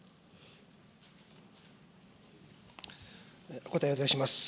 お答えをいたします。